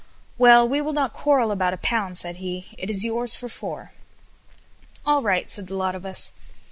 "Well, we will not quarrel about a pound," said he. "It is yours for four." "All right," said the lot of us.